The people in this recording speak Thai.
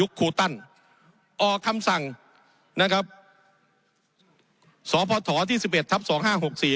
ครูตันออกคำสั่งนะครับสพที่สิบเอ็ดทับสองห้าหกสี่